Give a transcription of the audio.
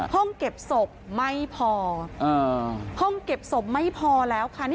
ห้องเก็บศพไม่พอห้องเก็บศพไม่พอแล้วค่ะ